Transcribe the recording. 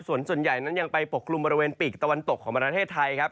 ส่วนส่วนใหญ่นั้นยังไปปกกลุ่มบริเวณปีกตะวันตกของประเทศไทยครับ